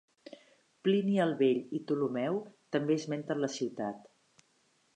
Plini el Vell i Ptolemeu també esmenten la ciutat.